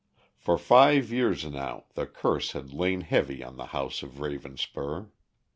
For five years now the curse had lain heavy on the house of Ravenspur.